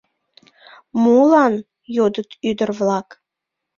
— Молан? — йодыт ӱдыр-влак.